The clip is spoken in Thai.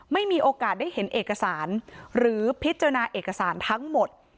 ไม่มีโอกาสได้เห็นเอกสารหรือพิจารณาเอกสารทั้งหมด